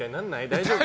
大丈夫？